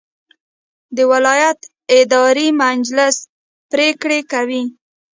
د ولایت اداري مجلس پریکړې کوي